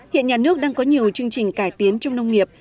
hiện nhà nước đang có nhiều chương trình cải tiến trong nông nghiệp